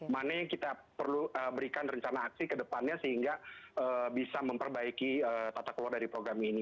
mana yang kita perlu berikan rencana aksi ke depannya sehingga bisa memperbaiki tata keluar dari program ini